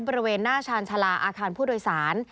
บริเวณหน้าชาญชาลาอาคารผู้โดยสาร